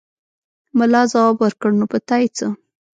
ملا ځواب ورکړ: نو په تا يې څه!